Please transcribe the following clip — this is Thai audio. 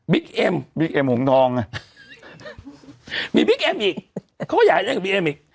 เอ็มบิ๊กเอ็มหงทองอ่ะมีบิ๊กเอ็มอีกเขาก็อยากเล่นกับบีเอ็มอีก